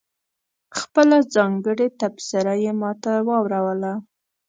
خپله ځانګړې تبصره یې ماته واوروله.